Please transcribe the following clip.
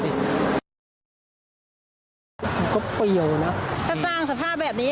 ถ้าสร้างสภาพแบบนี้